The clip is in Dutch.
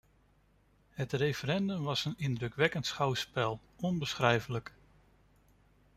Het referendum was een indrukwekkend schouwspel, onbeschrijfelijk!